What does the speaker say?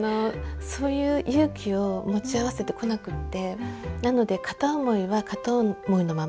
そういう勇気を持ち合わせてこなくってなので片思いは片思いのまま。